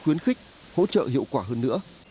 khuyến khích hỗ trợ hiệu quả hơn nữa